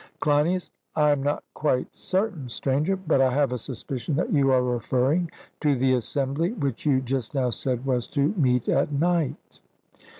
CLEINIAS: I am not quite certain, Stranger; but I have a suspicion that you are referring to the assembly which you just now said was to meet at night.